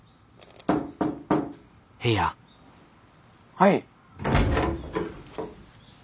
はい？